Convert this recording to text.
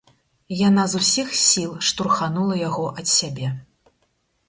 Яна з усіх сіл штурханула яго ад сябе.